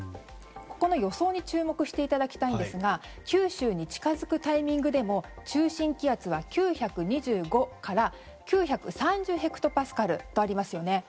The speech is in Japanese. ここの予想に注目していただきたいんですが九州に近づくタイミングでも中心気圧は９２５から９３０ヘクトパスカルとありますよね。